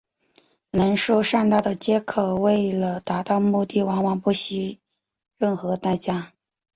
能说善道的杰克为了达到目的往往不惜任何代价。